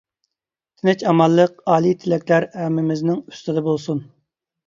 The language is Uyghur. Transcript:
تىنچ-ئامانلىق، ئالىي تىلەكلەر ھەممىمىزنىڭ ئۈستىدە بولسۇن!